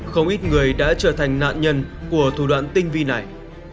không ít người đã trở thành nạn nhân của thủ đoạn tinh vi này